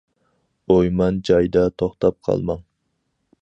ئويمان جايدا توختاپ قالماڭ.